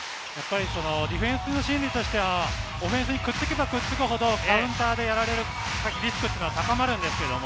ディフェンスの心理としては、オフェンスにくっつけばくっつくほど、カウンターでやられる率が高まるんですよ。